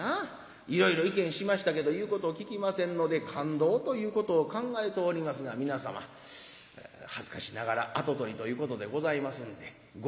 『いろいろ意見しましたけど言うことを聞きませんので勘当ということを考えておりますが皆様恥ずかしながら跡取りということでございますんでご意見を』